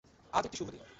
আজ একটি শুভ দিন।